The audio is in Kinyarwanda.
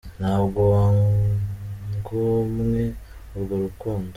Ntabwo wangomwe urwo rukundo